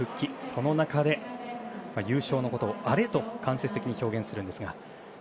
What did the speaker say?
その中で優勝のことを、アレと間接的に表現するんですが。